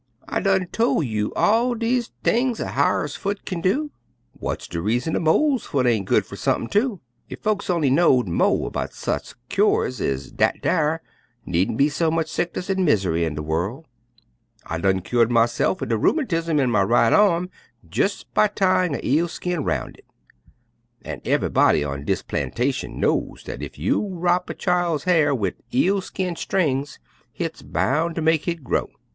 I done tol' you all de things a hyar's foot kin do; w'ats de reason a mole's foot ain' good fer sump'n, too? Ef folks on'y knowed mo' about sech kyores ez dat dar neenter be so much sickness an' mis'ry in de worl'. I done kyored myse'f er de rheumatiz in my right arm jes' by tyin' a eel skin roun' hit, an' ev'yb'dy on dis plantation knows dat ef you'll wrop a chil's hya'r wid eel skin strings hit's boun' ter mek hit grow.